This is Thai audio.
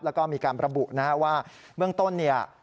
แล้วก็มีการระบุนะครับว่าเบื้องต้นเนี่ย